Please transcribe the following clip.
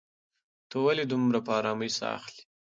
ته ولې دومره په ارامۍ ساه اخلې؟